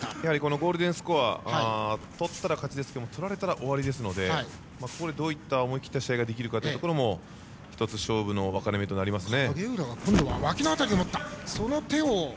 ゴールデンスコアとったら勝ちですがとられたら終わりですからここでどういった思い切った試合ができるかも１つ勝負の分かれ目となりますね。